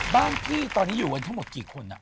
บ้านพี่ตอนนี้อยู่กันทั้งหมดกี่คน